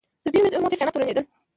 تر ډېرې مودې خیانت تورنېدل